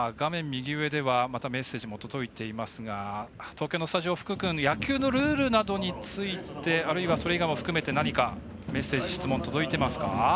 右上またメッセージも届いていますが東京のスタジオの福くん野球のルールなどについてあるいはそれ以外も含めて何かメッセージ、質問届いていますか？